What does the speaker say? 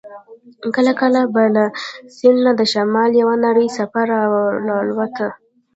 کله کله به له سیند نه د شمال یوه نرۍ څپه را الوته.